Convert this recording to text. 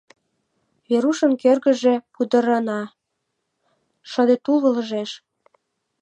Верушын кӧргыжӧ пудырана, шыде тул ылыжеш.